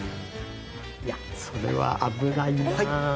いやそれは危ないなぁ。